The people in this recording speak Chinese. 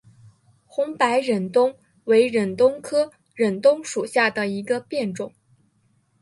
红白忍冬为忍冬科忍冬属下的一个变种。